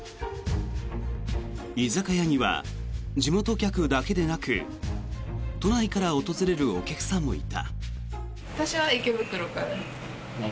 居酒屋には地元客だけではなく都内から訪れるお客さんもいた。